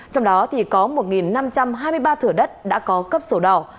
trong đó có một năm trăm hai mươi ba thửa đất đã có cấp sổ đỏ